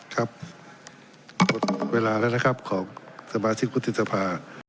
ครับหมดเวลาแล้วนะครับของสมาชิกวุฒิสภา